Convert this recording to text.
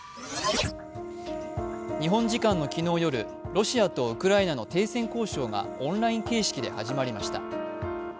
日本時間の昨日夜、ロシアとウクライナの停戦交渉がオンライン形式で始まりました。